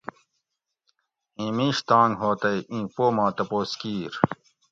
اِیں میش تانگ ہو تئ ایں پو ما تپوس کیر